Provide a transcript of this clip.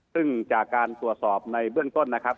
ซึ่งจากการตรวจสอบในเบื้องต้นนะครับ